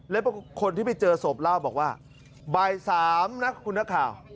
และคนที่ไปเจอศพเล่าบอกว่าบ่าย๓นะคุณนักข่าว